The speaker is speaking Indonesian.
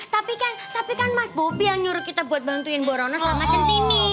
tapi kan tapi kan mas bobi yang nyuruh kita buat bantuin borono sama centini